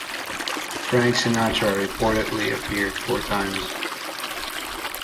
Frank Sinatra reportedly appeared four times.